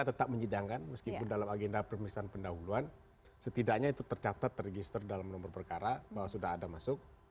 tetap menyidangkan meskipun dalam agenda pemeriksaan pendahuluan setidaknya itu tercatat teregister dalam nomor perkara bahwa sudah ada masuk